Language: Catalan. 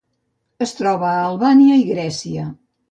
Es troba a Albània i Grècia.